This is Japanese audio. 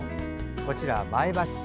こちら、前橋市。